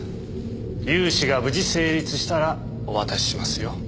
融資が無事成立したらお渡ししますよ。